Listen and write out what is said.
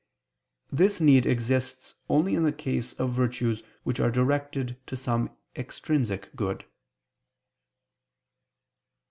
This need exists only in the case of virtues which are directed to some extrinsic good.